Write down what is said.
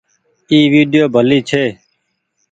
اي ويڊيو ڀلي ڇي۔